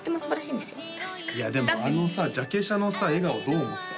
いやでもあのさジャケ写のさ笑顔どう思った？